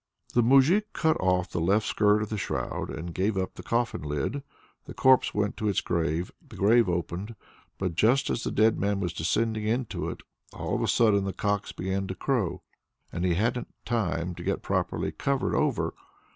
The moujik cut off the left skirt of the shroud, and gave up the coffin lid. The corpse went to its grave the grave opened. But just as the dead man was descending into it, all of a sudden the cocks began to crow, and he hadn't time to get properly covered over.